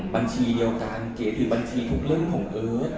บัญชีเดียวกันเก๋คือบัญชีทุกเรื่องของเอิร์ท